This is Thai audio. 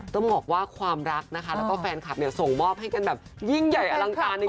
ต้องบอกว่าความรักแล้วก็แฟนคลับส่งมอบให้กันยิ่งใหญ่อลังการด้วย